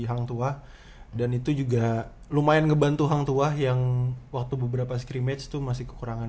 hang tuh ah dan itu juga lumayan ngebantu hang tuah yang waktu beberapa science to masih kekurangan